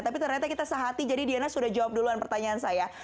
tapi ternyata kita sehati jadi diana sudah jawab duluan pertanyaan saya